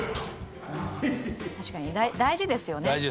確かに大事ですよね。